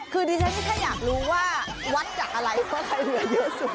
คือดิฉันแค่อยากรู้ว่าวัดจากอะไรเพราะใครเหลือเยอะสุด